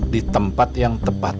di tempat yang tepat